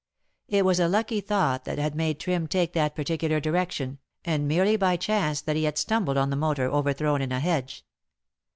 It was a lucky thought that had made Trim take that particular direction, and merely by chance that he had stumbled on the motor overthrown in a hedge.